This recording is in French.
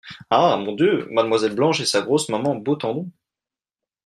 Ah ! mon Dieu ! mademoiselle Blanche et sa grosse maman Beautendon.